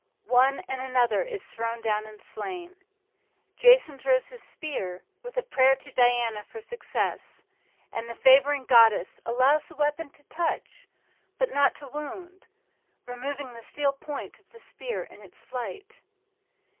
One and another is thrown down and slain. Jason throws his spear, with a prayer to Diana for success; and the favoring goddess allows the weapon to touch, but not to wound, removing the steel point of the spear in its flight.